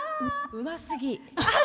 うますぎ！